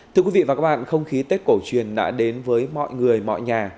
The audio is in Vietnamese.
thưa quý vị và các bạn không khí tết cổ truyền đã đến với mọi người mọi nhà